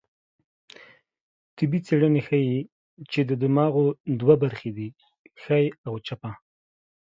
طبي څېړنې ښيي، چې د دماغو دوه برخې دي؛ ښۍ او چپه